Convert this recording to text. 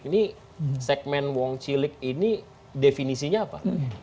ini segmen wong cilik ini definisinya apa